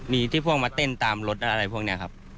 มีที่พวกมันมาเต้นตามรถคุณแน่ครับ